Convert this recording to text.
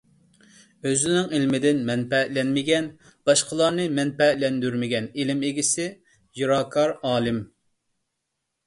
ئۆزىنىڭ ئىلمىدىن مەنپەئەتلەنمىگەن، باشقىلارنى مەنپەئەتلەندۈرمىگەن ئىلىم ئىگىسى رىياكار ئالىم.